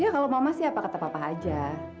ya kalau mama sih apa kata papa aja